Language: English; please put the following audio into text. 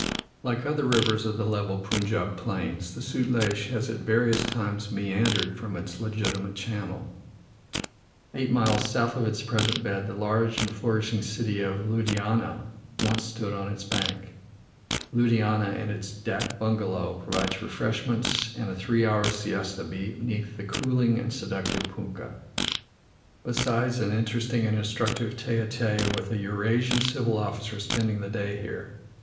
Like other rivers of the level Punjab plains, the Sutlej has at various times meandered from its legitimate channel; eight miles south of its present bed the large and flourishing city of Ludhiana once stood on its bank. Ludhiana and its dak bungalow, provides refreshments and a three hours' siesta beneath the cooling and seductive punkah, besides an interesting and instructive tete a tete with a Eurasian civil officer spending the day here.